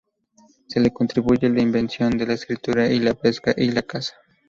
Se le atribuye la invención de la escritura, la pesca y la caza.